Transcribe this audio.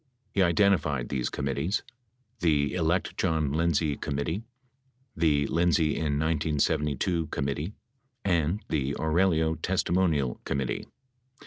He identified these committees: "The Elect John Lindsay Committee," the "Lindsay in 1972 Commit tee," and the "Aurelio Testimonial Committee."